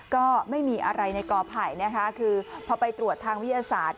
ก็ไม่มีอะไรในกอไผ่นะคะคือพอไปตรวจทางวิทยาศาสตร์